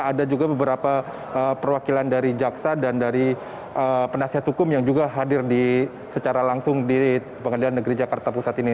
ada juga beberapa perwakilan dari jaksa dan dari penasihat hukum yang juga hadir secara langsung di pengadilan negeri jakarta pusat ini